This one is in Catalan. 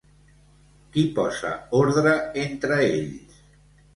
Qui posa ordre entre ells?